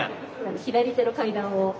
左手の階段を。